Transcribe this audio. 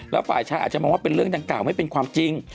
แล้วฝ่ายชายอาจจะมองว่าเป็นเรื่องดังกล่าวไม่เป็นความจริง